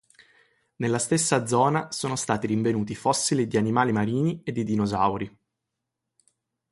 Nella stessa zona sono stati rinvenuti fossili di animali marini e di dinosauri.